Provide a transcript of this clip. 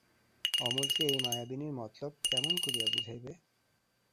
অমলকে এই মায়াবিনীর মতলব কেমন করিয়া বুঝাইবে।